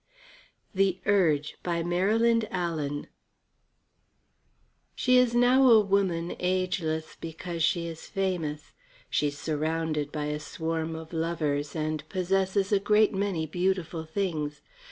THE URGE By MARYLAND ALLEN From Everybody's She is now a woman ageless because she is famous. She is surrounded by a swarm of lovers and possesses a great many beautiful things.